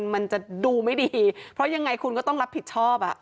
มันจะดูไม่ดีเพราะยังไงคุณก็ต้องรับผิดชอบอ่ะ